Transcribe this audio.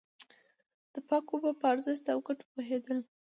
د پاکو اوبو په ارزښت او گټو پوهېدل.